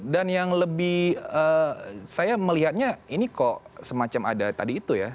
dan yang lebih saya melihatnya ini kok semacam ada tadi itu ya